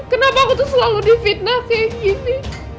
kenapa aku tuh selalu difitnah kayak gini